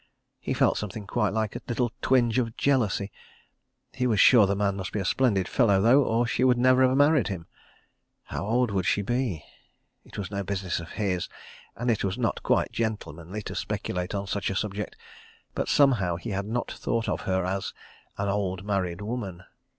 ... He felt something quite like a little twinge of jealousy. ... He was sure the man must be a splendid fellow though, or she would never have married him. ... How old would she be? It was no business of his, and it was not quite gentlemanly to speculate on such a subject—but somehow he had not thought of her as "an old married woman."